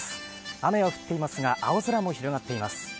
雨が降っていますが、青空も広がっています。